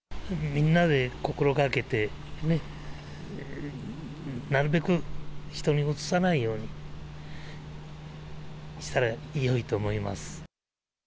みんなで心がけてね、なるべく人にうつさないようにしたらよいと思います。